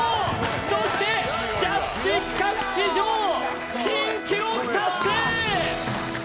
そしてジャッジ企画史上新記録達成！